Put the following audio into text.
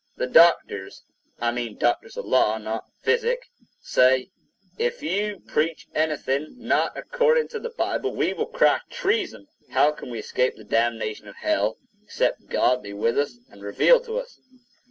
The doctors (I mean doctors of law, no physic) say, "If you preach anything not according to the Bible, we will cry treason." How can we escape the damnation of hell, except God be with us and reveal to us?